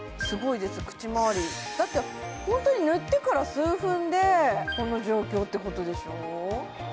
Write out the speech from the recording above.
すごいです口周りだってホントに塗ってから数分でこの状況ってことでしょ？